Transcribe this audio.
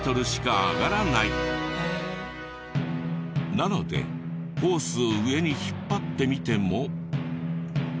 なのでホースを上に引っ張ってみても。